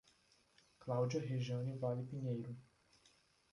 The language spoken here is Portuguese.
Cláudia Rejanne Vale Pinheiro